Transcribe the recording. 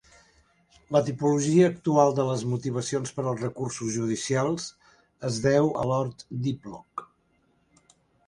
La tipologia actual de les motivacions per als recursos judicials es deu a Lord Diplock.